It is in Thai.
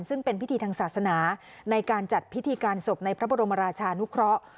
ซึ่งเป็นพิธีทางศาสนาในการจัดพิธีการศพในพระบรมราชานุเคราะห์